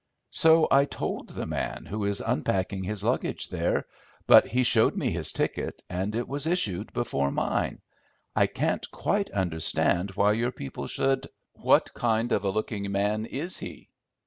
"So I told the man who is unpacking his luggage there; but he showed me his ticket, and it was issued before mine. I can't quite understand why your people should—" "What kind of a looking man is he?"